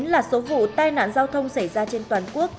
một mươi chín là số vụ tai nạn giao thông xảy ra trên toàn quốc